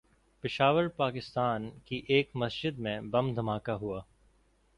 پشاور، پاکستان کی ایک مسجد میں بم دھماکہ ہوا